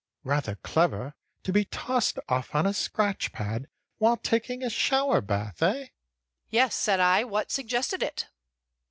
"Rather clever, to be tossed off on a scratch pad while taking a shower bath, eh?" "Yes," said I. "What suggested it?"